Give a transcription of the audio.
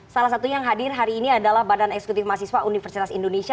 salah satu yang hadir hari ini adalah badan eksekutif mahasiswa universitas indonesia